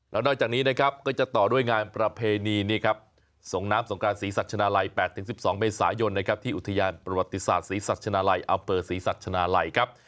แล้วนอกจากนี้นะครับก็จะต่อด้วยงานประเพณีนี่ครับส่งน้ำสงการศรีสัชนาลัย๘๑๒เมษายนนะครับที่อุทยานประวัติศาสตร์ศรีสัชนาลัยอำเภอศรีสัชนาลัยครับ